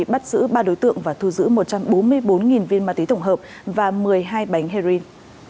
bắt giữ ba đối tượng và thu giữ một trăm bốn mươi bốn viên ma túy tổng hợp và một mươi hai bánh heroin